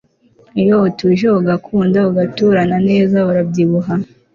iyo utuje ugakunda ugaturana neza urabyibuha